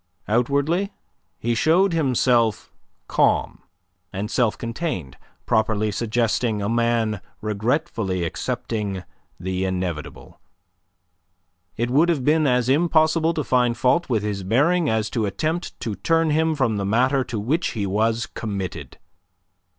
Outwardly he showed himself calm and self contained, properly suggesting a man regretfully accepting the inevitable. It would have been as impossible to find fault with his bearing as to attempt to turn him from the matter to which he was committed.